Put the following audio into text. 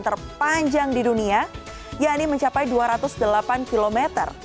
terpanjang di dunia yaitu mencapai dua ratus delapan km